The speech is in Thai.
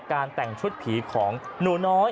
การแต่งชุดผีของหนูน้อย